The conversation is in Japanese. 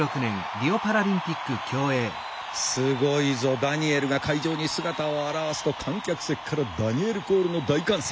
すごいぞダニエルが会場に姿を現すと観客席からダニエルコールの大歓声！